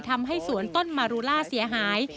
ทำให้สวนต้นมารูล่าเสียหาย